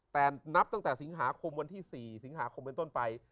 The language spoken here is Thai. แต่นับตั้งแต่สิงหาคมวันที่๔สิงหาคมเป็นต้นไป